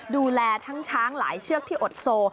ดูแลทั้งช้างหลายเชือกที่อดโซ